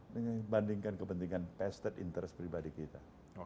dibandingkan kepentingan pesta interest pribadi kita